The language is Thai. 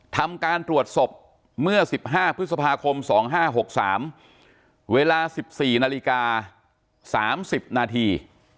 ทำการตรวจศพเมื่อ๑๕พฤษภาคม๒๕๖๓เวลา๑๔นาฬิกา๓๐นาที